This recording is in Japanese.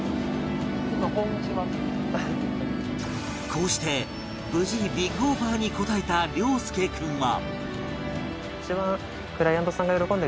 こうして無事ビッグオファーに応えた諒祐君は